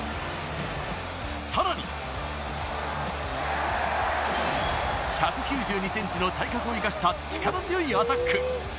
さらに、１９２ｃｍの体格を生かした力強いアタック。